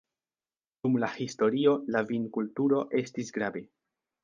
Dum la historio la vinkulturo estis grave.